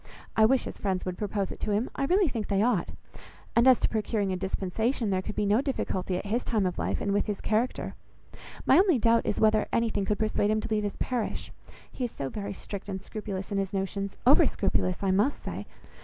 I wish his friends would propose it to him. I really think they ought. And, as to procuring a dispensation, there could be no difficulty at his time of life, and with his character. My only doubt is, whether anything could persuade him to leave his parish. He is so very strict and scrupulous in his notions; over scrupulous I must say.